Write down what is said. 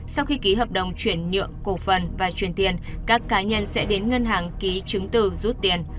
sau khi ký hợp đồng chuyển nhượng cổ phần và truyền tiền các cá nhân sẽ đến ngân hàng ký chứng từ rút tiền